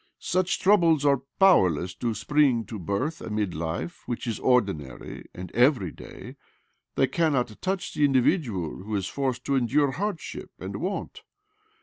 Such troubles are powerless to spring to birth amid life which is ordinary and everyday ; they cannot touch the indi vidual who is forced to endure hardship and want.